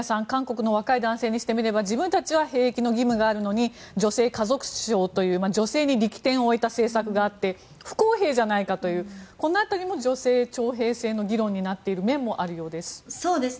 韓国の若い男性にしてみれば自分たちは兵役の義務があるのに女性家族省という女性に力点を置いた義務があって不公平じゃないかというこの辺りも女性徴兵制の議論になっている面もあるようです。